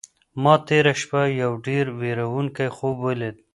ما تېره شپه یو ډېر وېروونکی خوب ولید.